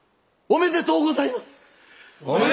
おめでとうございます。